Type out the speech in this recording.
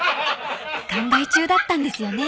［考え中だったんですよね］